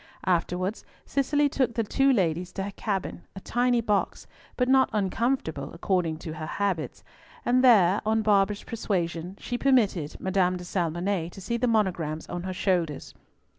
Afterwards Cicely took the two ladies to her cabin, a tiny box, but not uncomfortable according to her habits, and there, on Barbara's persuasion, she permitted Madame de Salmonnet to see the monograms on her shoulders.